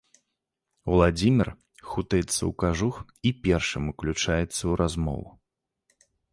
Уладзімір хутаецца ў кажух і першым уключаецца ў размову.